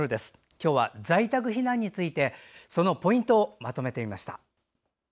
今日は在宅避難のポイントをまとめてみました。